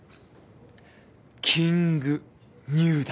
キングニューだ。